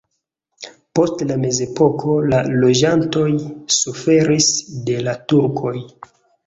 Post la mezepoko la loĝantoj suferis de la turkoj.